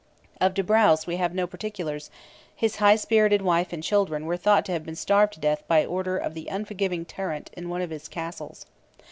Of de Braos we have no particulars; his high spirited wife and children were thought to have been starved to death by order of the unforgiving tyrant in one of his castles.